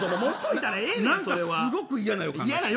何かすごく嫌な予感。